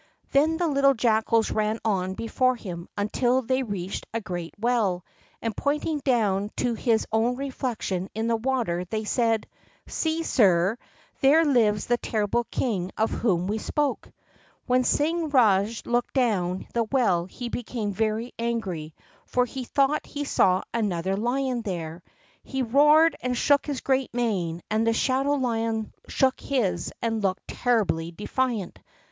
Then the little jackals ran on before him until they reached a great well, and, pointing down to his own reflection in the water, they said: "See, sire, there lives the terrible king of whom we spoke." When Singh Rajah looked down the well he became very angry, for he thought he saw another lion there. He roared and shook his great mane, and the shadow lion shook his and looked terribly defiant.